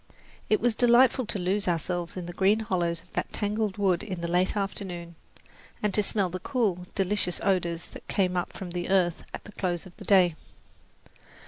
It was delightful to lose ourselves in the green hollows of that tangled wood in the late afternoon, and to smell the cool, delicious odours that came up from the earth at the close of day.